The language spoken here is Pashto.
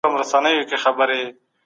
پرښتو ته امر وسو چي آدم ع ته سجده وکړي.